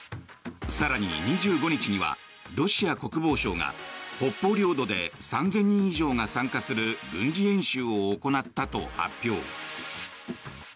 更に、２５日にはロシア国防省が北方領土で３０００人以上が参加する軍事演習を行ったと発表。